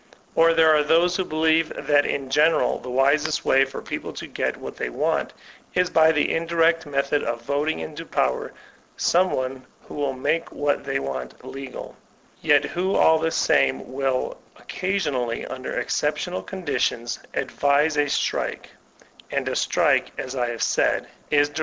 Or there are those who believe that, in general, the wisest way for people to get what they want is by the indirect method of voting into power some one who will make what they want legal; yet who, all the same, will ooGaskmaOy, under exceptional conditions, advise a Mrike; and a strike, as I tiave sitid, is direct actioo.